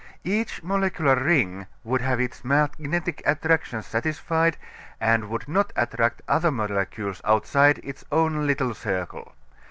Each molecular ring would have its magnetic attractions satisfied and would not attract other molecules outside of its own little circle.